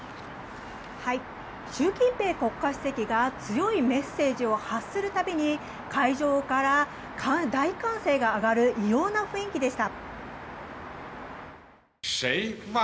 習近平国家主席が強いメッセージを発する度に会場から大歓声が上がる異様な雰囲気でした。